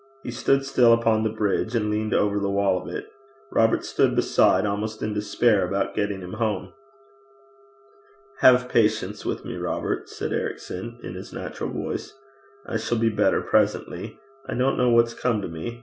He stood still upon the bridge and leaned over the wall of it. Robert stood beside, almost in despair about getting him home. 'Have patience with me, Robert,' said Ericson, in his natural voice. 'I shall be better presently. I don't know what's come to me.